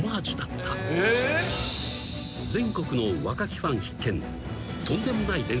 ［全国の若木ファン必見］